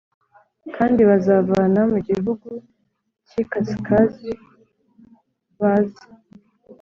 Kandi bazavana mu gihugu cy ikasikazi baze